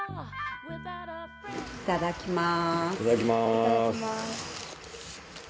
いただきます。